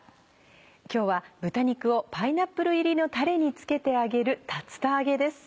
今日は豚肉をパイナップル入りのタレに漬けて揚げる竜田揚げです。